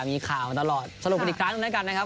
มีข่าวตลอดสรุปอีกครั้งด้วยกันนะครับ